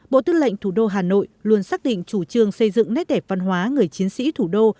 bộ tư lệnh thủ đô hà nội luôn xác định chủ trương xây dựng nét đẹp văn hóa người chiến sĩ thủ đô